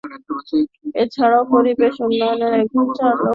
এছাড়াও সে পরিবেশ উন্নয়নের একজন প্রচারক।